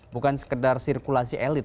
bukan sekedar sirkulasi elit